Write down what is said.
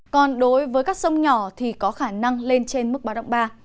còn đối với các sông nhỏ thì có khả năng lên trên mức ba độc ba